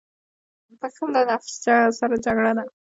• بښل له نفس سره جګړه ده.